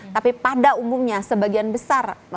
tapi pada umumnya sebagian besar